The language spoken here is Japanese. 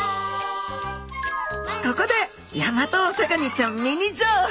ここでヤマトオサガニちゃんミニ情報。